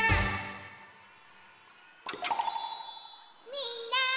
みんな！